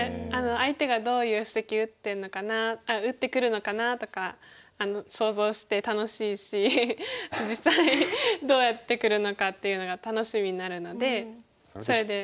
相手がどういう布石打ってるのかなあっ打ってくるのかなとか想像して楽しいし実際どうやってくるのかっていうのが楽しみになるのでそれで。